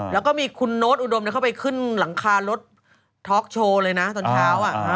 แล้วก็มีคุณโน๊ตอุดมเข้าไปขึ้นหลังคารถท็อกโชว์เลยนะตอนเช้า